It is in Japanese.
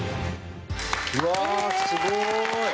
うわーすごい！